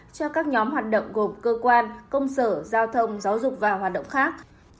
cho các nhóm hoạt động gồm cơ quan công sở giao thông giáo dục và hoạt động khác